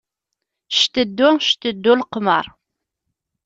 Cteddu, cteddu leqmer.